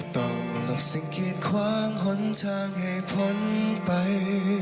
ต้องหลบสิ่งคิดคว้างหนทางให้พ้นไป